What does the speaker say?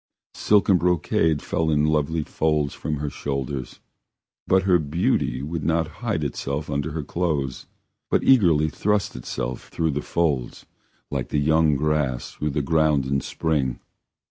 Silk and brocade fell in lovely folds from her shoulders, but her beauty would not hide itself under her clothes, but eagerly thrust itself through the folds, like the young grass through the ground in spring.